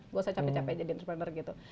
nggak usah capek capek jadi entrepreneur gitu